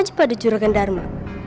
saja pada juragan dharma